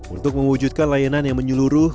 untuk mewujudkan layanan yang menyeluruh